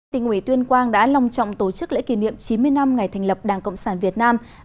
tỉnh ủy tuyên quang đã lòng trọng tổ chức lễ kỷ niệm chín mươi năm ngày thành lập đảng cộng sản việt nam